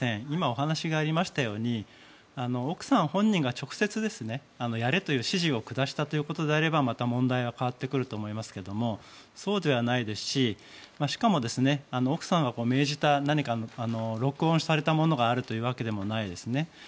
今お話がありましたように奥さん本人が直接、やれという指示を下したということであればまた問題は変わってくると思いますけどそうではないですししかも、奥さんが命じた何か録音されたものがあるというわけでもないですね。